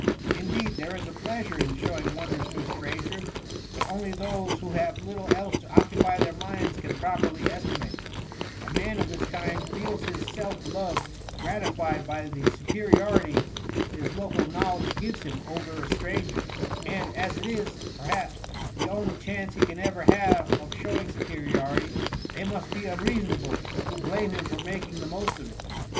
Indeed, there is a pleasure in showing wonders to a stranger, that only those who have little else to occupy their minds can properly estimate : a man of this kind feels his self love gratified by the superiority his local knowledge gives him over a stranger ; and, as it is, perhaps, the only chance he ever can have of showing superiority, they must be unreasonable . who blame him for making the most of it.